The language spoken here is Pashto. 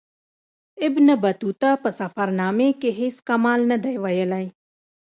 ابن بطوطه په سفرنامې کې هیڅ کمال نه دی ویلی.